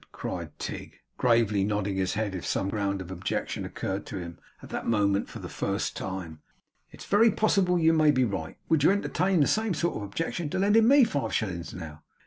cried Tigg, gravely nodding his head as if some ground of objection occurred to him at that moment for the first time, 'it's very possible you may be right. Would you entertain the same sort of objection to lending me five shillings now?